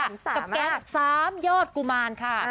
กับแก๊ง๓ยอดกุมารค่ะ